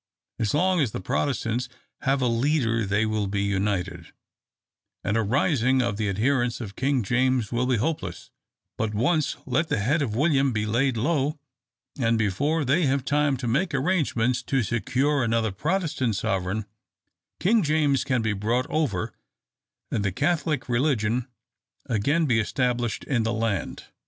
As long as the Protestants have a leader they will be united, and a rising of the adherents of King James will be hopeless; but once let the head of William be laid low, and before they have time to make arrangements to secure another Protestant sovereign, King James can be brought over, and the Catholic religion again be established in the land.